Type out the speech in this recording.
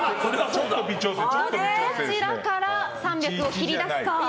どちらから３００を切り出すか。